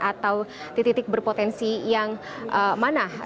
atau titik titik berpotensi yang mana